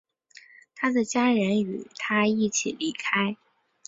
他的家人与他一起离开。